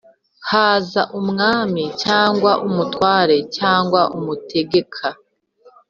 Haza mwami cyangwa umutware cyangwa umutegeka